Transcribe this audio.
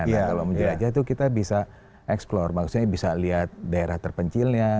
karena kalau menjelajah itu kita bisa eksplor maksudnya bisa lihat daerah terpencilnya